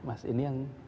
mas ini yang